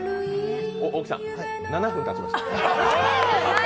大木さん、７分たちました。